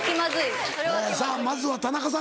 さぁまずは田中さん